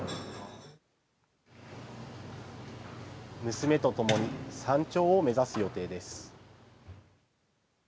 娘と共に山頂を目指す予定です。